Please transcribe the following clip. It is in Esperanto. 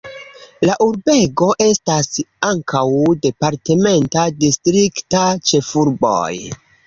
La urbego estas ankaŭ departementa distrikta ĉefurboj.